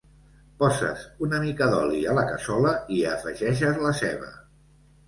Poses una mica d'oli a la cassola i hi afegeixes la ceba.